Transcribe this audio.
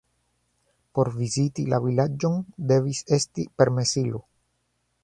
Por viziti la vilaĝon devis esti permesilo.